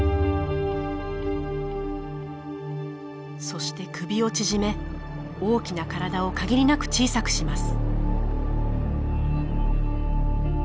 そして首を縮め大きな体を限りなく小さくします。